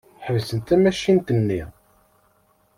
Ḥebsen tamacint-nni.